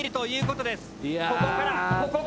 ここからだ！